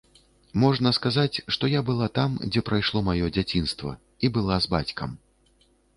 Можна сказаць, што я была там, дзе прайшло маё дзяцінства і была з бацькам.